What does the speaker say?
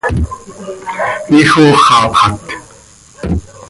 Ixooxapxat.